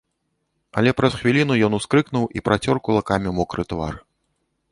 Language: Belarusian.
Але праз хвіліну ён ускрыкнуў і працёр кулакамі мокры твар.